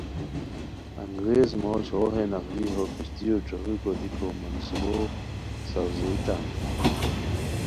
انگریز موش ہو ہے نفری ہو کشتیو ݯھوغی کوریکو منصوبو ساؤزیتان